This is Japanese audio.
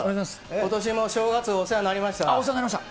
ことしも正月、お世話になりお世話になりました。